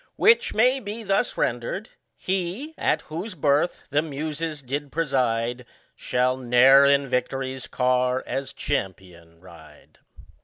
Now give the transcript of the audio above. Which may be thus rendered : He, at whose birth the Muses did preside, Shall i^e'er iu victory's car as CHAMPION ride.